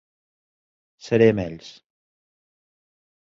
Seré amb ells.